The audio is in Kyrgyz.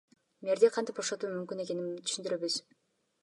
Мэрди кантип бошотуу мүмкүн экенин түшүндүрөбүз.